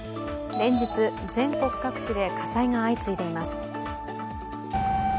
連日、全国各地で火災が相次いでいます。